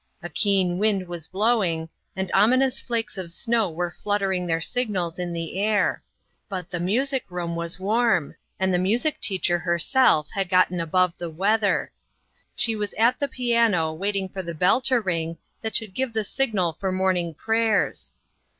A keen wind was blowing, and ominous flakes of snow were fluttering their signals in the air ; but the music room was warm, and the music teacher herself had gotten above the weather. She was at the piano, waiting for the bell to ring that should give the signal for morn ing prayers.